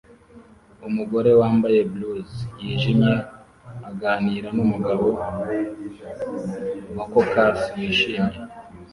Umugore wambaye blus yijimye aganira numugabo wa caucase wishimye